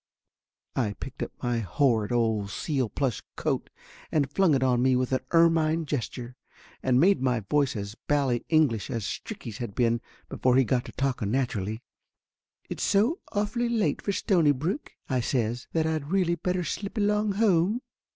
I picked up my horrid old seal plush coat and flung it on me with an ermine gesture, and made my voice as bally English as Stricky's had been before he got to talking naturally. "It's so awfully late for Stonybrook," I says, "that I'd really better slip along home